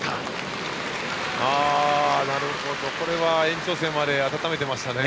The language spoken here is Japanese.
これは延長戦まで温めてましたね。